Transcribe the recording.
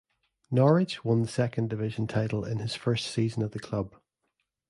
Norwich won the Second Division title in his first season at the club.